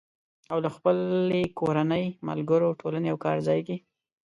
او له خپلې کورنۍ، ملګرو، ټولنې او کار ځای کې